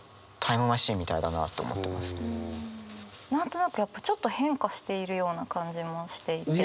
すごいうん何か何となくやっぱちょっと変化しているような感じもしていて。